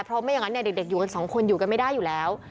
เพราะไม่อย่างนั้นเนี่ยเด็กอยู่กันสองคนอยู่กันไม่ได้อยู่แล้ว